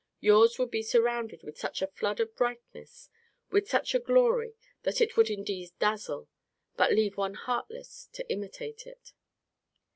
Yours would be surrounded with such a flood of brightness, with such a glory, that it would indeed dazzle; but leave one heartless to imitate it.